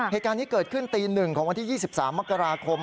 เหตุการณ์นี้เกิดขึ้นตี๑ของวันที่๒๓มกราคม